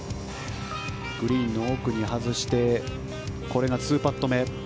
グリーンの奥に外して２パット目。